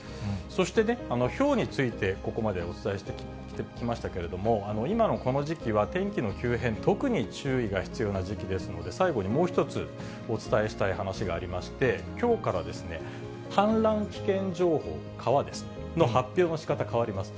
そして、ひょうについて、ここまでお伝えしてきましたけれども、今のこの時期は、天気の急変、特に注意が必要な時期ですので、最後にもう一つ、お伝えしたい話がありまして、きょうから氾濫危険情報、川です、発表のしかた、変わります。